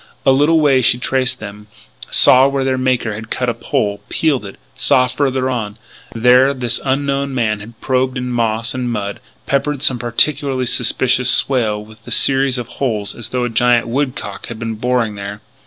A little way she traced them, saw where their maker had cut a pole, peeled it; saw, farther on, where this unknown man had probed in moss and mud peppered some particularly suspicious swale with a series of holes as though a giant woodcock had been "boring" there.